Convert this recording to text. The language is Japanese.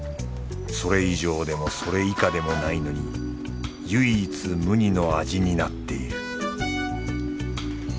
それ以上でもそれ以下でもないのに唯一無二の味になっている。